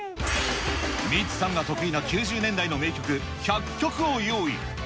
ミツさんが得意な９０年代の名曲１００曲を用意。